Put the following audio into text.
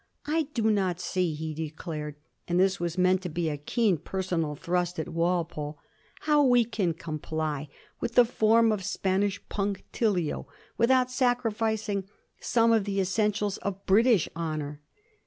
" I do not see," he declared — and this was meant as a keen personal thrust at Walpole — how we can comply with the form of Spanish punctilio without sacnficing some of the essentials of British honor.